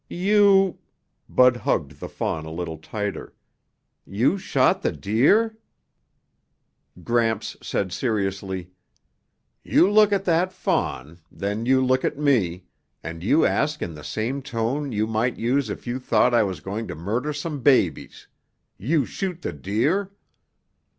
"You ..." Bud hugged the fawn a little tighter. "You shoot the deer?" Gramps said seriously, "You look at that fawn, then you look at me, and you ask in the same tone you might use if you thought I was going to murder some babies, 'You shoot the deer?'